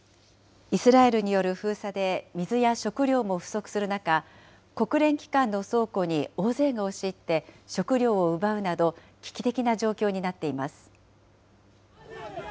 イスラエルによる封鎖で水や食料も不足する中、国連機関の倉庫に大勢が押し入って、食料を奪うなど、危機的な状況になっています。